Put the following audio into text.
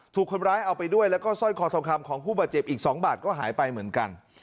ถูกคนร้ายเอาไปด้วยแล้วก็สร้อยคอทองคำของผู้บาดเจ็บอีก๒บาทก็หายไปเหมือนกัน